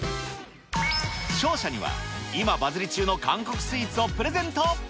勝者には、今バズり中の韓国スイーツをプレゼント。